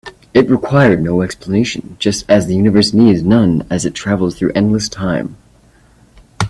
It required no explanation, just as the universe needs none as it travels through endless time.